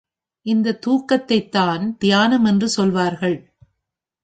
இந்தத் தூக்கத்தைத்தான் தியானம் என்று சொல்வார்கள்.